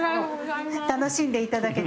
楽しんでいただけて。